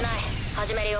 始めるよ。